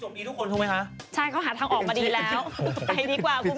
ใช่เค้าหาทางออกมาดีแล้วไปดีกว่ากุมผู้ชม